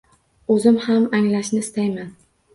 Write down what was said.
O‘zim ham anglashni istayman.